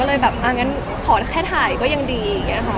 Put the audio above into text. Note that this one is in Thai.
ก็เลยแบบอ้างั้นขอแค่ถ่ายก็ยังดี